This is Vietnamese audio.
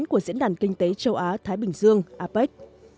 của diễn đàn kinh tế châu á thái bình dương apec